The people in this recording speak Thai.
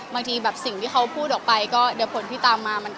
ไม่คิดว่า